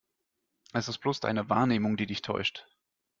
Es ist bloß deine Wahrnehmung, die dich täuscht.